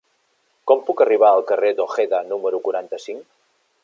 Com puc arribar al carrer d'Ojeda número quaranta-cinc?